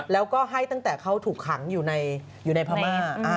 แล้วก็ให้ตั้งแต่เขาถูกขังอยู่ในพม่า